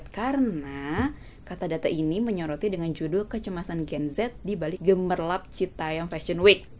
karena katadata ini menyoroti dengan judul kecemasan gen z di balik gemerlap cita yang fashion week